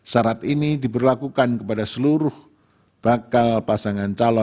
syarat ini diberlakukan kepada seluruh bakal pasangan calon